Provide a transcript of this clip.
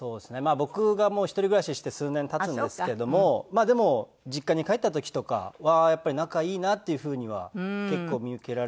僕がもう一人暮らしして数年経つんですけどもまあでも実家に帰った時とかはやっぱり仲いいなっていう風には結構見受けられて。